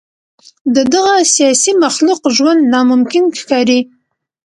د دغه سیاسي مخلوق ژوند ناممکن ښکاري.